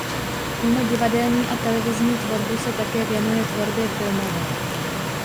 Mimo divadelní a televizní tvorbu se také věnuje tvorbě filmové.